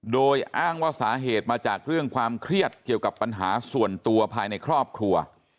โดยอ้างว่าสาเหตุมาจากเรื่องความเครียดเกี่ยวกับปัญหาส่วนตัวภายในครอบครัว